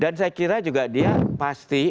dan saya kira juga dia pasti